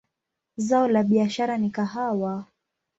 Zao la biashara ni kahawa.